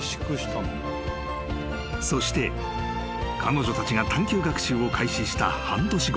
［そして彼女たちが探求学習を開始した半年後］